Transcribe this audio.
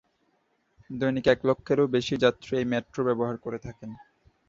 দৈনিক এক লক্ষেরও বেশি যাত্রী এই মেট্রো ব্যবহার করে থাকেন।